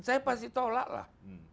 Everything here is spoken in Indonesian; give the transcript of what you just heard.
saya pasti tolak lah